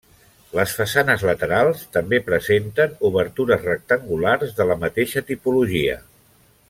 Les façanes laterals també presenten obertures rectangulars de la mateixa tipologia.